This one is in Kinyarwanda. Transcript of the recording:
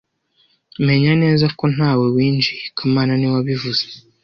Menya neza ko ntawe winjiye kamana niwe wabivuze